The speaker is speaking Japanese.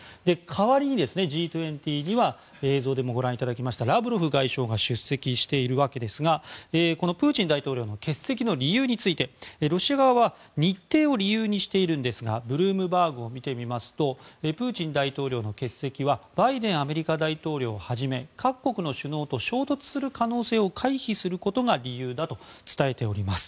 代わりにＧ２０には映像でもご覧いただきましたラブロフ外相が出席しているわけですがこのプーチン大統領の欠席の理由についてロシア側は日程を理由にしているんですがブルームバーグを見てみますとプーチン大統領の欠席はバイデンアメリカ大統領をはじめ各国の首脳と衝突する可能性を回避することが理由だと伝えております。